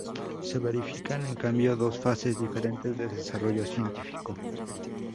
Se verifican, en cambio, dos fases diferentes de desarrollo científico.